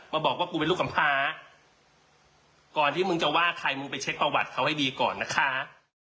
บอกว่ากูเป็นลูกกำพาก่อนที่มึงจะว่าใครมึงไปเช็คประวัติเขาให้ดีก่อนนะคะ